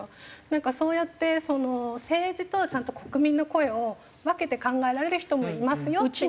なんかそうやって政治とちゃんと国民の声を分けて考えられる人もいますよっていう。